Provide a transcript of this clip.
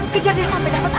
kejar dia sampai dapat